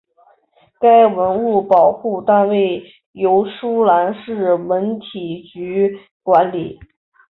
该文物保护单位由舒兰市文体局管理。